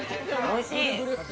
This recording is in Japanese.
おいしい！